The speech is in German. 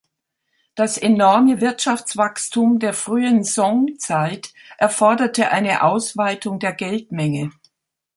Das enorme Wirtschaftswachstum der frühen Song-Zeit erforderte eine Ausweitung der Geldmenge.